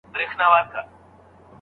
که لېوالتیا ونه لرې نو پرمختګ نسې کولای.